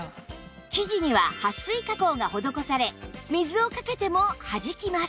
生地には撥水加工が施され水をかけてもはじきます